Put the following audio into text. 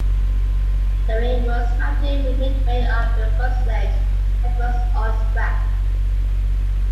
The wing was mounted midway up the fuselage and was unswept.